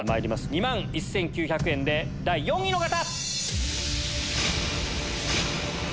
２万１９００円で第４位の方！